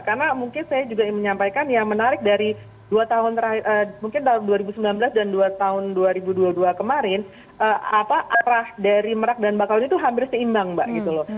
karena mungkin saya juga menyampaikan yang menarik dari dua ribu sembilan belas dan tahun dua ribu dua puluh dua kemarin apa arah dari merak dan mbak kauni itu hampir seimbang mbak